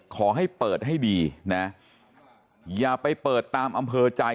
ขอให้เปิดให้ดีนะอย่าไปเปิดตามอำเภอใจ